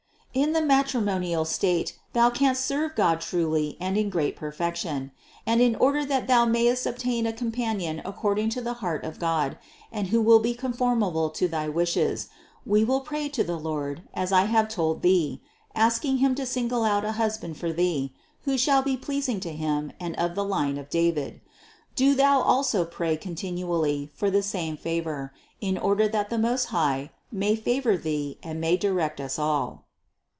In the matrimonial state Thou canst serve God truly and in great perfection; and in order that Thou mayest obtain a companion according to the heart of God and who will be conformable to thy wishes, we will pray to the Lord, as I have told Thee, asking Him to single out a husband for Thee, who shall be pleasing to Him and of the line of David; do Thou also pray 572 CITY OF GOD continually for the same favor, in order that the Most High may favor Thee and may direct us all."